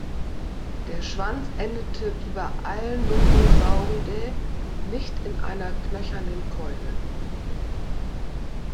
Der Schwanz endete wie bei allen Nodosauridae nicht in einer knöchernen Keule.